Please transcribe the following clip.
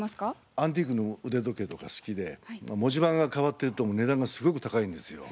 アンティークの腕時計とか好きで文字盤が変わってると値段がすごく高いんですよ。